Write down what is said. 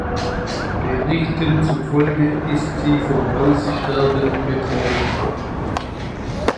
Berichten zufolge ist sie vom Aussterben bedroht.